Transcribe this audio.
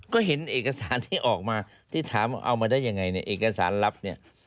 ก็เห็นเอกสารที่ออกมาที่ถามว่าเอามาได้ยังไงเนี่ยเอกสารลับเนี่ย